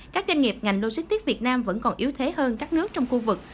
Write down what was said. các doanh nghiệp ngành logistics việt nam vẫn còn yếu thế hơn các nước trong khu vực